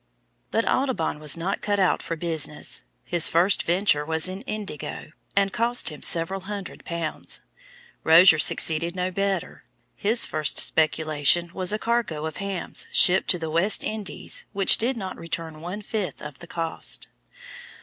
But Audubon was not cut out for business; his first venture was in indigo, and cost him several hundred pounds. Rozier succeeded no better; his first speculation was a cargo of hams shipped to the West Indies which did not return one fifth of the cost.